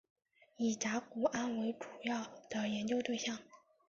以甲钴胺为主要的研究对象。